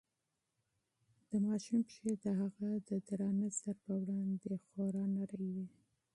د ماشوم پښې د هغه د درانه سر په وړاندې خورا نرۍ وې.